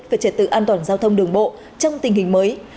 về trật tự an toàn giao thông đường bộ trong tình hình mới